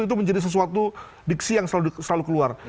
itu menjadi sesuatu diksi yang selalu keluar